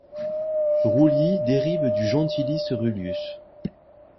Rouilly dérive du gentilice Rullius.